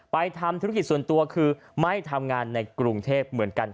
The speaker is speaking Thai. ทำธุรกิจส่วนตัวคือไม่ทำงานในกรุงเทพเหมือนกัน